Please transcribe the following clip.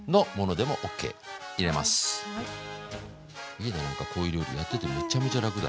いいねなんかこういう料理やっててめっちゃめちゃ楽だ。